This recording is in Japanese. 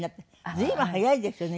随分早いですよね